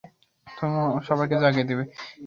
তুমি সবাইকে জাগিয়ে দেবে!